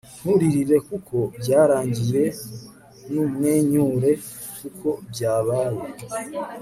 nturirire kuko byarangiye numwenyure kuko byabaye